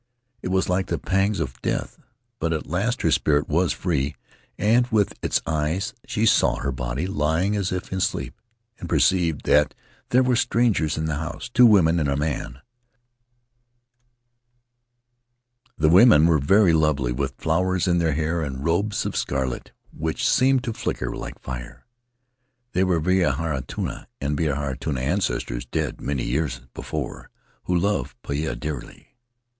It was like the pangs of death, but at last her spirit was free and with its eyes she saw her body lying as if in sleep, and perceived that there were strangers in the house — two women and a man. The women were very lovely, with flowers in their hair and robes of scarlet 21 [ 309 ] e e Faery Lands of the South Seas which seemed to flicker like fire. They were Vahinetua and Vivitautua, ancestors dead many years before, who loved Poia dearly.